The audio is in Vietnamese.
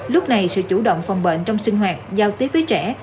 lúc này sự chủ động phòng bệnh trong sinh hoạt giao tiếp với trẻ